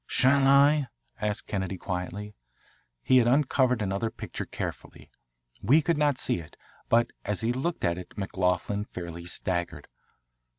"Shall I?" asked Kennedy quietly. He had uncovered another picture carefully. We could not see it, but as he looked at it McLoughlin fairly staggered.